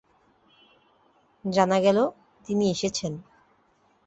জানা গেল, তিনি এসেছেন।